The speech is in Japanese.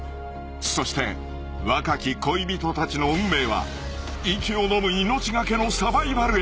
［そして若き恋人たちの運命は息をのむ命懸けのサバイバルへ］